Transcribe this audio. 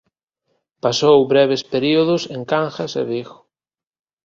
Pasou breves períodos en Cangas e Vigo.